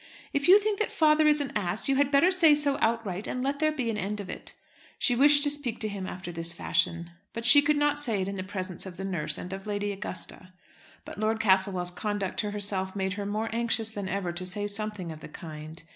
"If you think that father is an ass, you had better say so outright, and let there be an end of it." She wished to speak to him after this fashion. But she could not say it in the presence of the nurse and of Lady Augusta. But Lord Castlewell's conduct to herself made her more anxious than ever to say something of the kind.